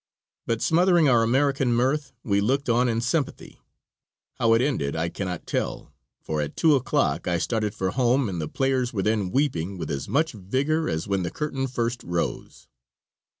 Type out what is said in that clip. But smothering our American mirth we looked on in sympathy. How it ended I cannot tell, for at 2 o'clock I started for home and the players were then weeping with as much vigor as when the curtain first rose.